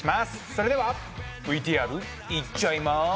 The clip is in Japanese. それではＶＴＲいっちゃいま